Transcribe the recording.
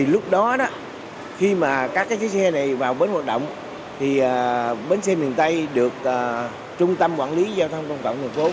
lúc đó khi các xe này vào bến hoạt động bến xe miền tây được trung tâm quản lý giao thông công cộng tp hcm